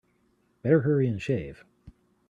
Better hurry and shave.